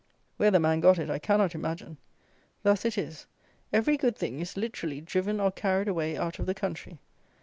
Where the man got it I cannot imagine. Thus it is: every good thing is literally driven or carried away out of the country.